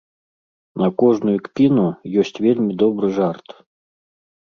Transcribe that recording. На кожную кпіну ёсць вельмі добры жарт.